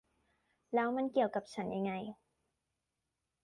แล้วมันเกี่ยวกับฉันยังไง